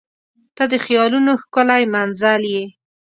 • ته د خیالونو ښکلی منزل یې.